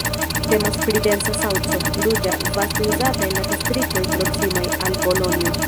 Temas pri densa saŭco, ruĝa, vaste uzata en la distriktoj proksimaj al Bolonjo.